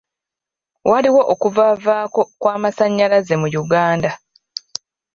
Waliwo okuvavaako kw'amasannyalaze mu Uganda.